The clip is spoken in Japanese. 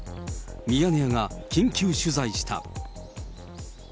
ミヤネ屋が緊急取材した。